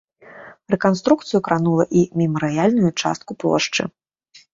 Рэканструкцыю кранула і мемарыяльную частку плошчы.